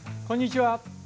こんにちは。